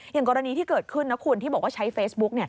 อย่างกรณีที่เกิดขึ้นนะคุณที่บอกว่าใช้เฟซบุ๊ก